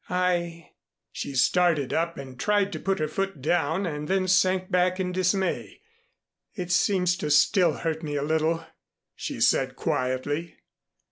I " She started up and tried to put her foot down and then sank back in dismay. "It seems to still hurt me a little," she said quietly.